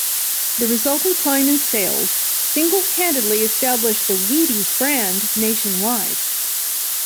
The resultant climb in sales single-handedly established the "Wheaties" brand nationwide.